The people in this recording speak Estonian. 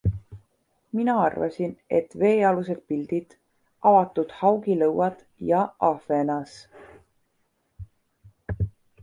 mina arvasin, et veealused pildid, avatud haugilõuad ja Ahvenas...